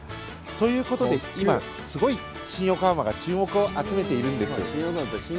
ということで今、すごい新横浜が注目を集めてるんです。